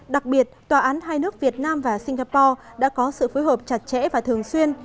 đặc biệt tòa án hai nước việt nam và singapore đã có sự phối hợp chặt chẽ và thường xuyên